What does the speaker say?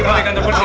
bawa kantor polisi